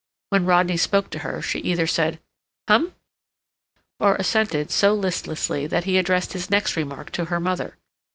When Rodney spoke to her she either said "Hum!" or assented so listlessly that he addressed his next remark to her mother.